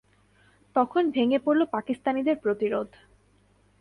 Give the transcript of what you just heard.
তখন ভেঙে পড়ল পাকিস্তানিদের প্রতিরোধ।